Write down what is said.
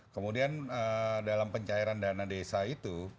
kemudian dalam pencairan dana desa itu